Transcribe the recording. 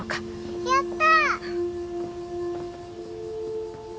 やった！